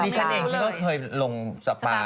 มีฉันเองที่เคยลงสปาปลานะ